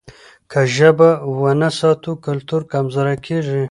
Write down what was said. که ژبه ونه ساتو کلتور کمزوری کېږي.